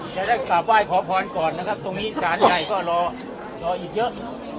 จะได้กราบไหว้ขอพรก่อนนะครับตรงนี้ศาลใหญ่ก็รอรออีกเยอะ